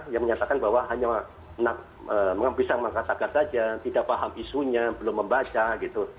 yang menyatakan bahwa hanya bisa mengatakan saja tidak paham isunya belum membaca gitu